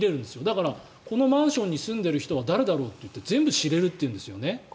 だからこのマンションに住んでる人は誰だろうって思ったら全部知れるというんですよね。